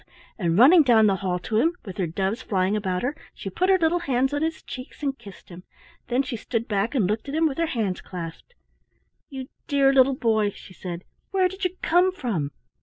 and running down the hall to him, with her doves flying about her, she put her little hands on his cheeks and kissed him. Then she stood back and looked at him with her hands clasped. "You dear little boy!" she said. "Where did you come from?"